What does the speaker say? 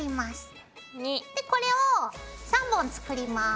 でこれを３本作ります。